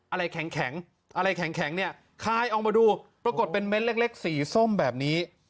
อะไรแข็งอะไรแข็งเนี่ยคลายออกมาดูปรากฏเป็นเม้นเล็กสีส้มแบบนี้